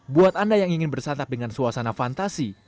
buat anda yang ingin bersantap dengan suasana fantasi